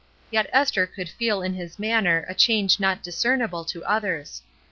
Yet Esther could feel in his manner a change not discernible to others.